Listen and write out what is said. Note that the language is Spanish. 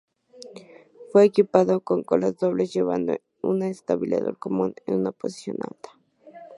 Fue equipado con colas dobles, llevando un estabilizador común en una posición alta.